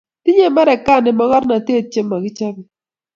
tinyei Marekani mokornotet chemo kichobei